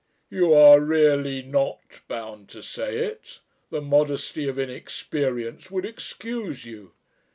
"You are really not bound to say it. The modesty of inexperience would excuse you."